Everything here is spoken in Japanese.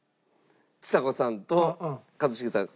ちさ子さんと一茂さん。